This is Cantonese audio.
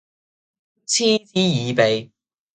嗤之以鼻